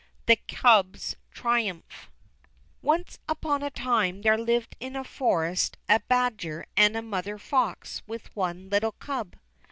The Cub's Triumph Once upon a time there lived in a forest a badger and a mother fox with one little Cub.